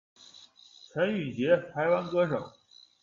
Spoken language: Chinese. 陈羽緁，台湾歌手。